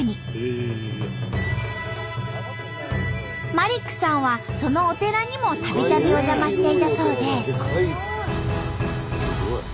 マリックさんはそのお寺にもたびたびお邪魔していたそうで。